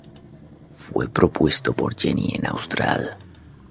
Fue propuesto por Jenny en "Austral.